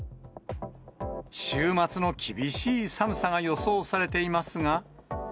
週末の厳しい寒さが予想されていますが。